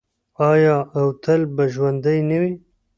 آیا او تل به ژوندی نه وي؟